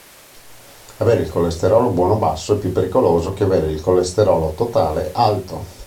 Avere il colesterolo buono basso è più pericoloso che avere il colesterolo totale alto.